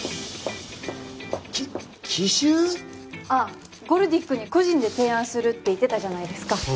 ああ「ゴルディックに個人で提案する」って言ってたじゃないですか